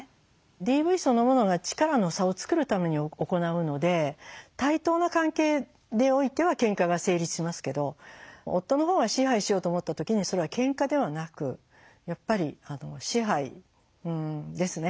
ＤＶそのものが力の差を作るために行うので対等な関係においてはケンカが成立しますけど夫のほうが支配しようと思った時にそれはケンカではなくやっぱり支配ですね。